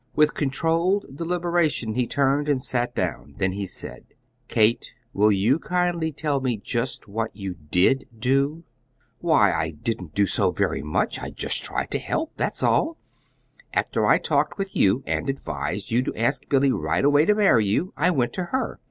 With controlled deliberation he turned and sat down. Then he said: "Kate, will you kindly tell me just what you DID do?" "Why, I didn't do so very much. I just tried to help, that's all. After I talked with you, and advised you to ask Billy right away to marry you, I went to her.